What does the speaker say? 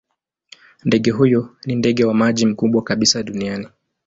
Ndege huyo ni ndege wa maji mkubwa kabisa duniani.